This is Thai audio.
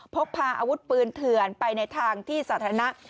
พกพาอาวุธปืนเถื่อนไปในทางที่สาธารณะ